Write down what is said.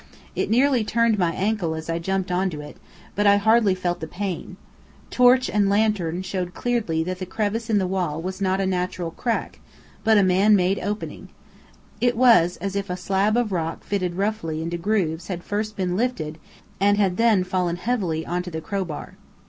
It nearly turned my ankle as I jumped on to it, but I hardly felt the pain. Torch and lantern showed clearly that the crevice in the wall was not a natural crack, but a man made opening. It was as if a slab of rock fitted roughly into grooves had first been lifted, and had then fallen heavily on to the crowbar.